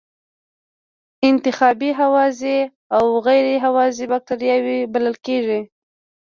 انتحابی هوازی او غیر هوازی بکټریاوې بلل کیږي.